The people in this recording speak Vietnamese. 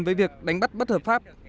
với việc đánh bắt bất hợp pháp